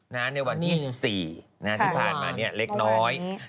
ในวันที่๔ที่ผ่านมาเล็กน้อย